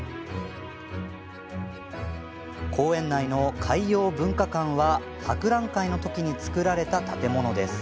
公園内の海洋文化館は博覧会のときに造られた建物です。